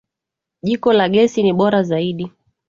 Jiko la gesi ni bora zaidi.